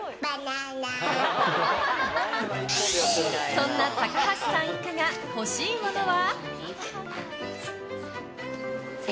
そんな高橋さん一家が欲しいものは。